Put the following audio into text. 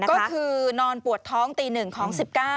ก็คือนอนปวดท้องตี๑ของ๑๙